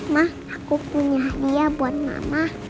mak aku punya hadiah buat mama